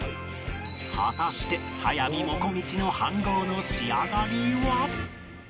果たして速水もこみちの飯ごうの仕上がりは？